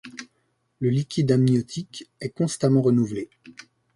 Le liquide amniotique est constamment renouvelé.